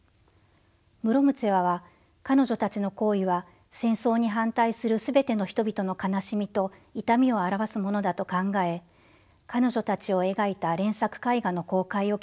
ムロムツェワは彼女たちの行為は戦争に反対する全ての人々の悲しみと痛みを表すものだと考え彼女たちを描いた連作絵画の公開を決意しました。